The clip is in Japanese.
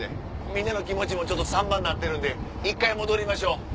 みんなの気持ちもちょっと散漫なってるんで１回戻りましょう。